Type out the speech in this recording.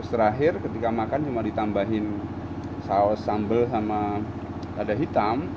terakhir ketika makan cuma ditambahin saus sambal sama ada hitam